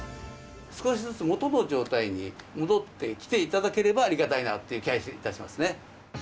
少しずつ元の状態に戻ってきていただければありがたいなって気がいたしますね。